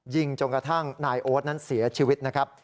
จนกระทั่งนายโอ๊ตนั้นเสียชีวิตนะครับ